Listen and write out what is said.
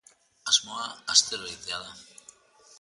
Asmoa, astero egitea da.